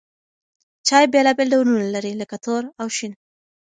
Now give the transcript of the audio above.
چای بېلابېل ډولونه لري لکه تور او شین.